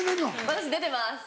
私出てます。